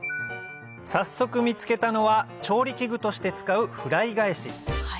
早速見つけたのは調理器具として使うフライ返し